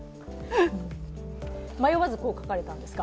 迷わず、こう書かれたんですか？